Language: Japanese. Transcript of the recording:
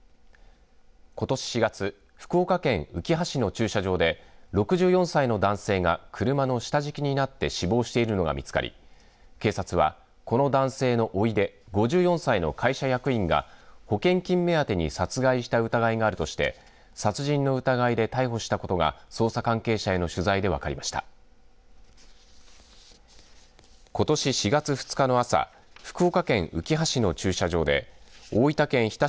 ことし４月福岡県うきは市の駐車場で６４歳の男性が車の下敷きになって死亡しているのが見つかり警察は、この男性のおいで５４歳の会社役員が保険金目当てに殺害した疑いがあるとして殺人の疑いで逮捕したことが捜査関係者への取材で分かりました。